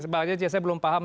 pak jj saya belum paham